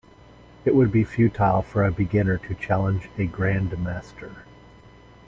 It would be futile for a beginner to challenge a grandmaster.